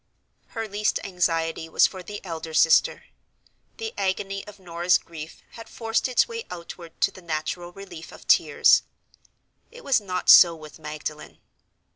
Her least anxiety was for the elder sister. The agony of Norah's grief had forced its way outward to the natural relief of tears. It was not so with Magdalen.